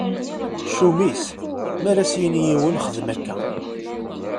Ccum-is mi ara s-yini yiwen xdem akka.